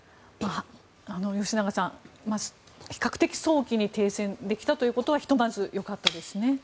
吉永さん、比較的早期に停戦できたということはひとまずよかったですね。